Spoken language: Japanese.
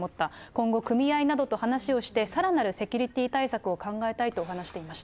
今後組合などと話をして、さらなるセキュリティー対策を考えたいと話していました。